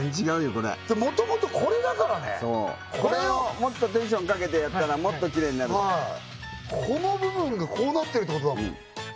これもともとこれだからねこれをもっとテンションかけてやったらもっとキレイになるこの部分がこうなってるってことだもん